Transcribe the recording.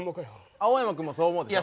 青山君もそう思うでしょ？